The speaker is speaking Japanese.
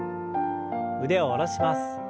腕を下ろします。